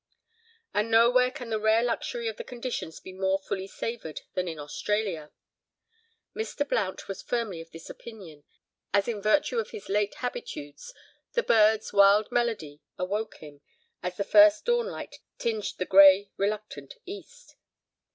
And nowhere can the rare luxury of the conditions be more fully savoured than in Australia. Mr. Blount was firmly of this opinion, as in virtue of his late habitudes, the birds' wild melody awoke him, as the first dawnlight tinged the grey, reluctant East.